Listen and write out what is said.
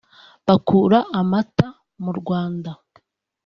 bakura amata mu Rwanda